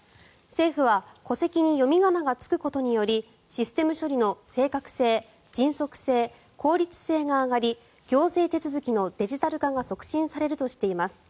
政府は戸籍に読み仮名がつくことによりシステム処理の正確性、迅速性、効率性が上がり行政手続きのデジタル化が促進されるとしています。